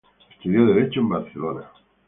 Estudió derecho en Barcelona.